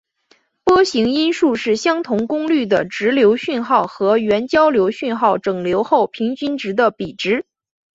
波形因数是相同功率的直流讯号和原交流讯号整流后平均值的比值。